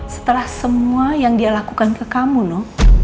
setelah semua yang dia lakukan ke kamu no